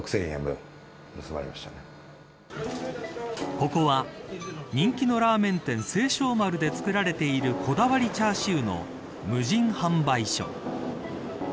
ここは、人気のラーメン店清勝丸で作られているこだわりチャーシューの無人販売所。